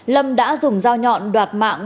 lâm đã dùng dao nhọn đoạt mạng